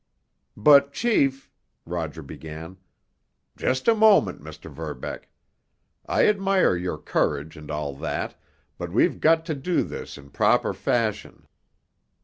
"But, chief——" Roger began. "Just a moment, Mr. Verbeck. I admire your courage and all that, but we've got to do this in proper fashion.